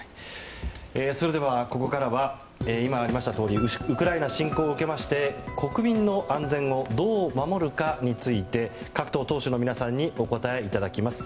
それでは、ここからは今、ありましたとおりウクライナ侵攻を受けまして国民の安全をどう守るかについて各党党首の皆さんにお答えいただきます。